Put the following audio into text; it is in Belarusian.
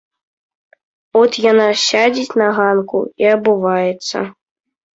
От яна сядзіць на ганку і абуваецца.